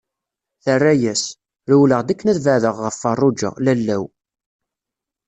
Terra-as: Rewleɣ-d akken ad beɛdeɣ ɣef Feṛṛuǧa, lalla-w.